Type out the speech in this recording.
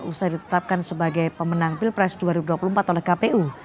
usai ditetapkan sebagai pemenang pilpres dua ribu dua puluh empat oleh kpu